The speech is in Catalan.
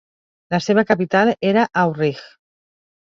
La seva capital era Aurich.